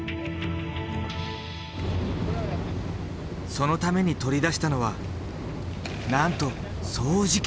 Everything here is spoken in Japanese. そのために取り出したのはなんと掃除機！